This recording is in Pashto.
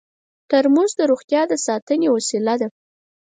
ترموز د روغتیا د ساتنې وسیله ده.